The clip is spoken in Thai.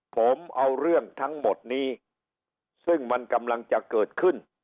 ผมเอาเรื่องทั้งหมดนี้ซึ่งมันกำลังจะเกิดขึ้น